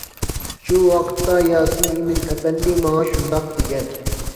شۇ ۋاقىتتا ياسىن ئىمىن ئەپەندى ماڭا شۇنداق دېگەن.